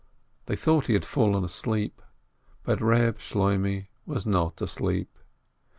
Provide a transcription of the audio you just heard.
They thought he had fallen asleep, but Eeb Shloimeh was not asleep.